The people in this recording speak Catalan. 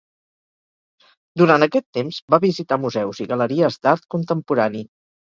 Durant aquest temps va visitar museus i galeries d'art contemporani.